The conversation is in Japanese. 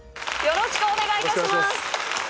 よろしくお願いします。